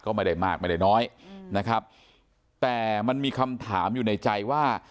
ก็ไม่ได้มากไม่ได้น้อยนะครับแต่มันมีคำถามอยู่ในใจว่า